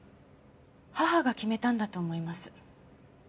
母が決めたんだと思います。